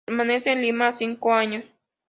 Permanece en Lima cinco años.